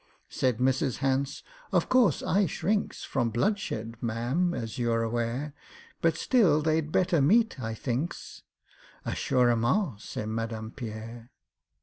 Said MRS. HANCE, "Of course I shrinks From bloodshed, ma'am, as you're aware, But still they'd better meet, I thinks." "Assurément!" said MADAME PIERRE.